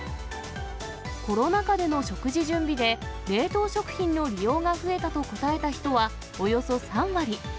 コロナ禍での食事準備で、冷凍食品の利用が増えたと答えた人はおよそ３割。